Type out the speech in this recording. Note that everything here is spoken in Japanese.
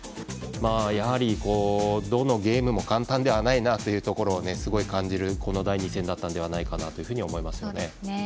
やはり、どのゲームも簡単ではないなというところをすごい感じる第２戦だったと思います。